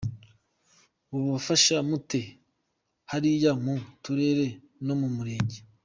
Mubafasha mute hariya mu turere no mu mirenge ?